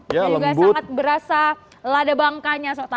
sangat berasa lada bangkanya